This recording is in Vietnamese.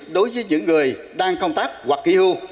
đối với những người đang công tác hoặc nghỉ hưu